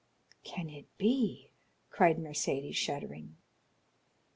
"Can it be?" cried Mercédès, shuddering.